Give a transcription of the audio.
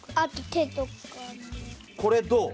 これどう？